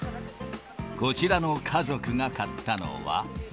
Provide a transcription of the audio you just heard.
こちらの家族が買ったのは？